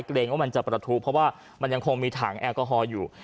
เกรงว่ามันจะประทุเพราะว่ามันยังคงมีถังแอลกอฮอลอยู่